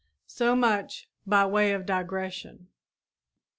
So much by way of digression.